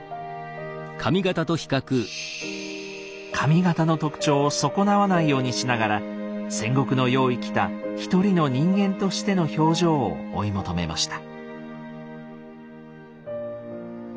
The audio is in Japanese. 紙形の特徴を損なわないようにしながら戦国の世を生きた一人の人間としての表情を追い求めました。